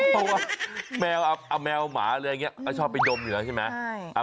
เพราะว่าแมวแมวหมาอะไรอย่างนี้ก็ชอบไปดมอยู่แล้วใช่ไหม